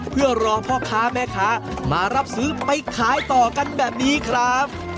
เพื่อรอพ่อค้าแม่ค้ามารับซื้อไปขายต่อกันแบบนี้ครับ